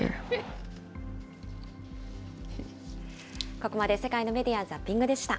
ここまで世界のメディア・ザッピングでした。